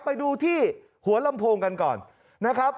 ไปดูที่หัวลำโพงกันก่อนนะครับ